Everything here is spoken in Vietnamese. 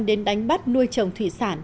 đến đánh bắt nuôi trồng thủy sản